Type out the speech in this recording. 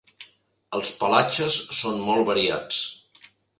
Els pelatges són molt variats.